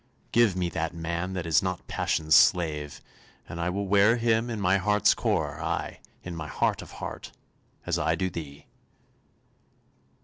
Give me that man That is not passion's slave, and I will wear him In my heart's core, ay, in my heart of heart, As I do thee.